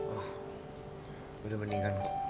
ah udah mendingan